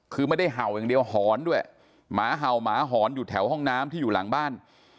คือไม่ได้เห่าอย่างเดียวหอนด้วยหมาเห่าหมาหอนอยู่แถวห้องน้ำที่อยู่หลังบ้าน